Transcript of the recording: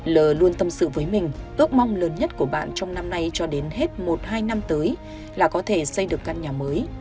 lờ luôn tâm sự với mình ước mong lớn nhất của bạn trong năm nay cho đến hết một hai năm tới là có thể xây được căn nhà mới